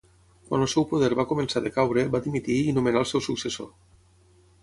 Quan el seu poder va començà a decaure va dimitir i nomenà el seu successor.